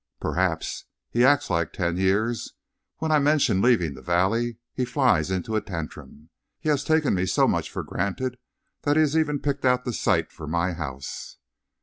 "Perhaps. He acts like ten years. When I mention leaving the valley he flies into a tantrum; he has taken me so much for granted that he has even picked out the site for my house."